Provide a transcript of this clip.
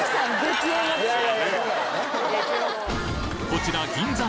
こちら銀座